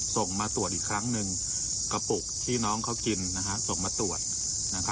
ส่งมาตรวจอีกครั้งหนึ่งกระปุกที่น้องเขากินส่งมาตรวจ